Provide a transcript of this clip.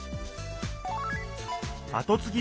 あとつぎぶ